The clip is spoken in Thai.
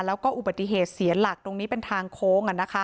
แล้วก็อุบัติเหตุเสียหลักตรงนี้เป็นทางโค้ง